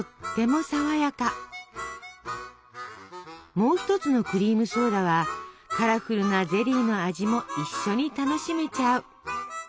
もう一つのクリームソーダはカラフルなゼリーの味も一緒に楽しめちゃう！